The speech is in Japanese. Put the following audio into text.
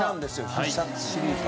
『必殺』シリーズは。